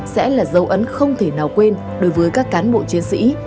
sẽ là dấu ấn không thể nào quên đối với các cán bộ chiến sĩ